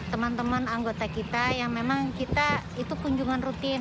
teman teman anggota kita yang memang kita itu kunjungan rutin